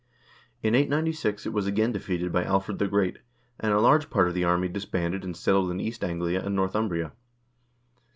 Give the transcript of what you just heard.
In 896 it was again defeated by Alfred the Great, and a large part of the army disbanded and settled in East Anglia and Northumbria.